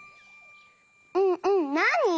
うんうんなに？